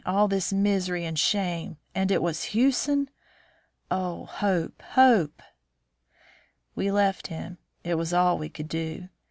All this misery and shame! And it was Hewson! Oh, Hope! Hope!" We left him. It was all we could do.